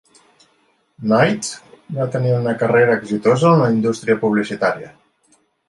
Knight va tenir una carrera exitosa en la indústria publicitària.